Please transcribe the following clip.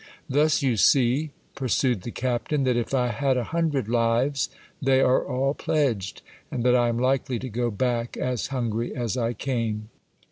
Thus you see, pursued the captain, that if I had a hundred lives they are all pledged, and that I am likely to go back as hungry as I came.